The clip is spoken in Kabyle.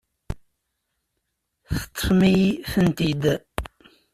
Teṭṭfem-iyi-tent-id.